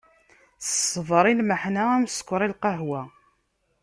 Ṣṣbeṛ i lmeḥna, am sskeṛ i lqahwa.